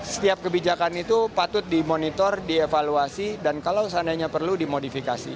setiap kebijakan itu patut dimonitor dievaluasi dan kalau seandainya perlu dimodifikasi